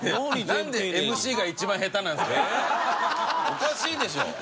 おかしいでしょ！